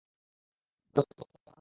দোস্ত, ওকে এমন লাগছে কেন?